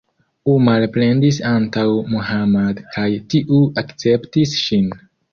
Umar plendis antaŭ Muhammad kaj tiu akceptis ŝin.